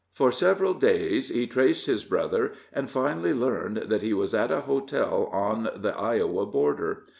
For several days he traced his brother, and finally learned that he was at a hotel on the Iowa border.